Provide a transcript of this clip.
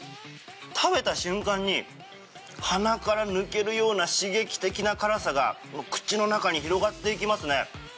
食べた瞬間に鼻から抜けるような刺激的な辛さが口の中に広がっていきますね。